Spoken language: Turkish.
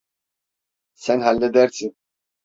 Sen halledersin.